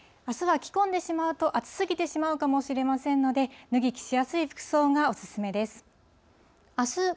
あすは着込んでしまうと暑すぎてしまうかもしれませんので、脱ぎ着しやすい服装がお勧めです。